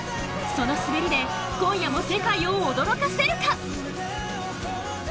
その滑りで今夜も世界を驚かせるか。